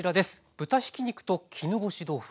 豚ひき肉と絹ごし豆腐。